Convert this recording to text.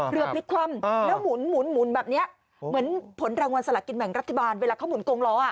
พลิกคว่ำแล้วหมุนแบบนี้เหมือนผลรางวัลสละกินแบ่งรัฐบาลเวลาเขาหุงล้ออ่ะ